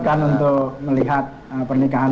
kan untuk melihat pernikahan